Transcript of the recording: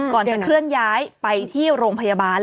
ก่อนจะเคลื่อนย้ายไปที่โรงพยาบาล